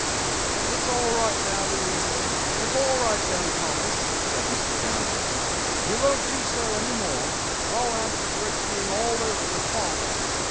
'It's all right now, Louisa: it's all right, young Thomas,' said Mr. Bounderby; 'you won't do so any more. I'll answer for it's being all over with father.